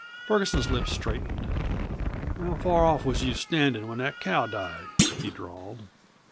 Ferguson's lips straightened. "How far off was you standin' when that cow died?" he drawled.